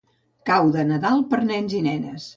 Cau de Nadal pels nens i nenes.